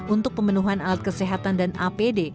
untuk pemenuhan alat kesehatan dan apd